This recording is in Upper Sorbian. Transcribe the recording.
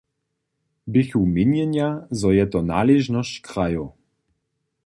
Běchu měnjenja, zo je to naležnosć krajow.